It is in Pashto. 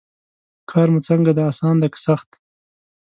کار مو څنګه دی اسان دی که سخت.